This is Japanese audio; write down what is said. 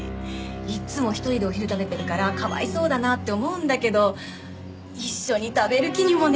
いっつも１人でお昼食べてるからかわいそうだなって思うんだけど一緒に食べる気にもねえ。